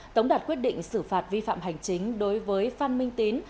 tống đạt quyết định xử phạt vi phạm hành chính đối với phan minh tín